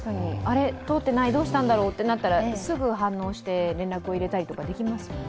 通ってない、どうしたんだろうってなったらすぐ反応して、連絡を入れたりとかできますもんね。